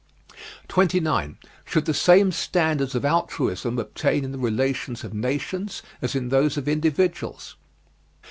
29. Should the same standards of altruism obtain in the relations of nations as in those of individuals?